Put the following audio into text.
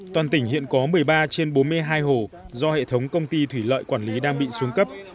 toàn tỉnh hiện có một mươi ba trên bốn mươi hai hồ do hệ thống công ty thủy lợi quản lý đang bị xuống cấp